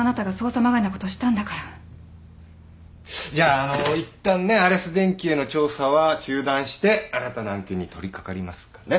じゃああのいったんねアレス電機への調査は中断して新たな案件に取り掛かりますかね。